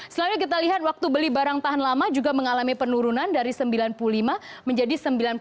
selanjutnya kita lihat waktu beli barang tahan lama juga mengalami penurunan dari sembilan puluh lima menjadi sembilan puluh enam